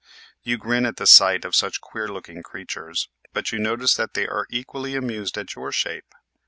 You grin at the sight of such queer looking creatures, but you notice that they are equally amused at your shape.